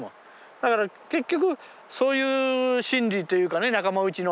だから結局そういう心理というかね仲間内の。